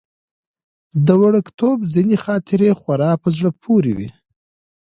د وړکتوب ځينې خاطرې خورا په زړه پورې وي.